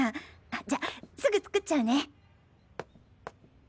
じゃすぐ作っちゃうね！